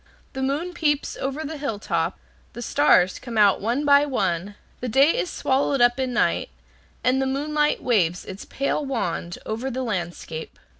The moon peeps over the hilltop, the stars come out one by one, the day is swallowed up in night, and the moonlight waves its pale wand over the landscape.